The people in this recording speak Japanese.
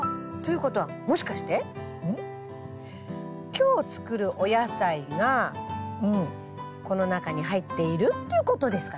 今日作るお野菜がこの中に入っているっていうことですかね？